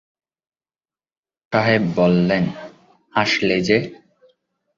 আফসার সাহেব বললেন, হাসলে যে?